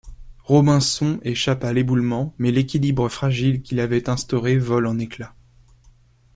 Robinson échappe à l'éboulement, mais l'équilibre fragile qu'il avait instauré vole en éclats.